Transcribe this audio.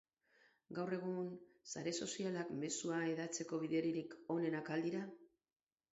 Gaur egun, sare sozialak mezua hedatzeko biderik onena al dira?